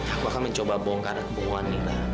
aku akan mencoba bongkar kebohongan lila